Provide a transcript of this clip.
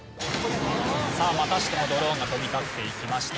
さあまたしてもドローンが飛び立っていきました。